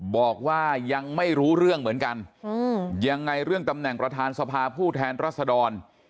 บอกว่ายังไม่รู้เรื่องเหมือนกันยังไงเรื่องตำแหน่งประธานสภาผู้แทนรัศดร